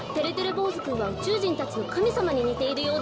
ぼうずくんはうちゅうじんたちのかみさまににているようですね。